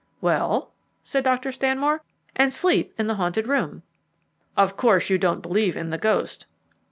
"Well?" said Dr. Stanmore. "And sleep in the haunted room." "Of course you don't believe in the ghost."